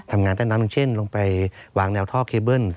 งานใต้น้ำอย่างเช่นลงไปวางแนวท่อเคเบิ้ล